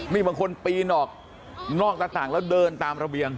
นี่บางคนปีนออกนอกหน้าต่างแล้วเดินตามระเบียง